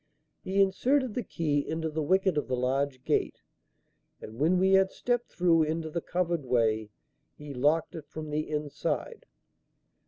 He inserted the key into the wicket of the large gate, and, when we had stepped through into the covered way, he locked it from the inside.